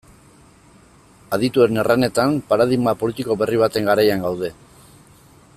Adituen erranetan, paradigma politiko berri baten garaian gaude.